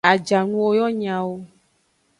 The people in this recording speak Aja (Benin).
Ajanuwo yo nyawo.